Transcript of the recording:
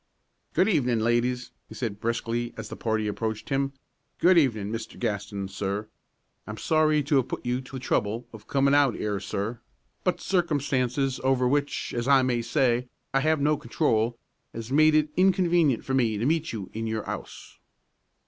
"Good evenin', ladies!" he said briskly, as the party approached him. "Good evenin', Mr. Gaston, sir. I'm sorry to 'ave put you to the trouble of comin' out 'ere, sir, but circumstances over which, as I may say, I have no control has made it inconwenient for me to meet you in your 'ouse."